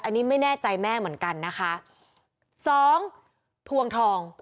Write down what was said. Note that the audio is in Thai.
อันนี้ไม่แน่ใจแม่เหมือนกันนะคะสองพวงทอง